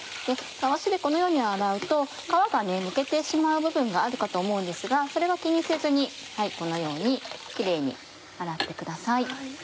たわしでこのように洗うと皮がむけてしまう部分があるかと思うんですがそれは気にせずにこのようにキレイに洗ってください。